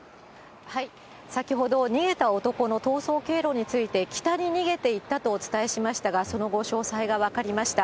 先ほど逃げた男の逃走経路について、来たに逃げていったとお伝えしましたが、その後、詳細が分かりました。